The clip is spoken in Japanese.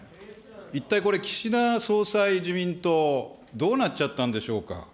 一体これ、岸田総裁自民党、どうなっちゃったんでしょうか。